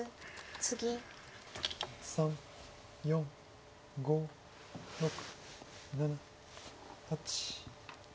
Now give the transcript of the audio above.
３４５６７８。